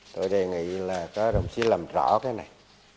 tôi đề nghị là có đồng sĩ làm rõ cái này